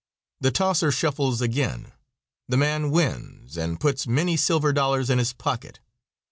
The "tosser" shuffles again, the man wins and puts many silver dollars in his pocket.